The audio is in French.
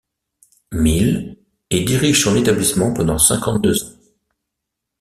Mille, et dirige son établissement pendant cinquante deux ans.